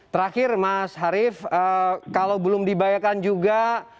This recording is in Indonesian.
terakhir mas harif kalau belum dibayarkan juga